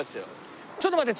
ちょっと待って。